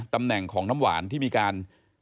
ตำแหน่งของน้ำหวานที่มีการ